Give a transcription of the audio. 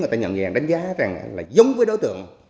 đánh giá là giống với đối tượng